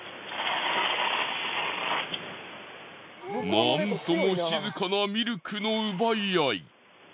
なんとも静かなミルクの奪い合い。